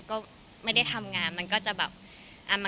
แต่ก็ไม่ได้คิดว่ารีบขนาดนั้นเอาชัวร์ดีกว่า